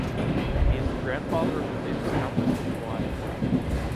He is the grand father of the famous Countess of Noailles.